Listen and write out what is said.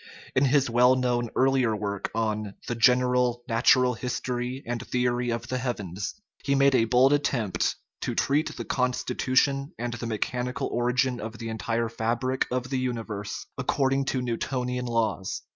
In his well known earlier work on The General Natural History and Theory of the Heavens he made a bold attempt " to treat the consti tution and the mechanical origin of the entire fabric of the universe according to Newtonian laws."